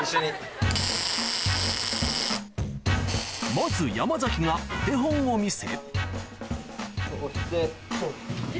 まず山崎がお手本を見せ